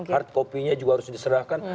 hard copy nya juga harus diserahkan